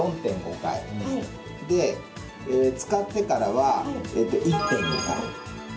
で、使ってからは１．２回。